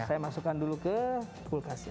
saya masukkan dulu ke kulkas